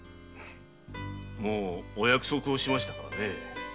もうお約束をしましたからね。